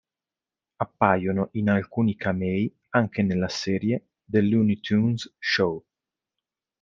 Appaiono in alcuni camei anche nella serie "The Looney Tunes Show".